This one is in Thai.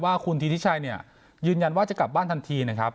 ว่าคุณธิทิชัยเนี่ยยืนยันว่าจะกลับบ้านทันทีนะครับ